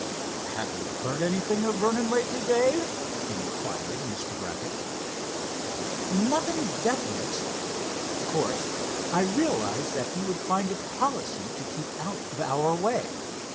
"Have you heard anything of Vernon lately, Dave?" inquired Mr. Brackett. "Nothing definite. Of course I realize that he would find it policy to keep out of our way.